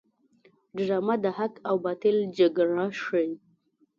ډرامه د حق او باطل جګړه ښيي